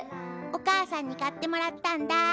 お母さんに買ってもらったんだ。